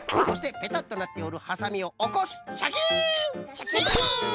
そしてぺたっとなっておるはさみをおこす。